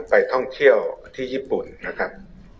ไปท่องเที่ยวที่ญี่ปุ่นนะครับ